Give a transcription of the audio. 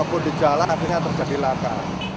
kalau kita tidak bisa jalan akhirnya terjadi laka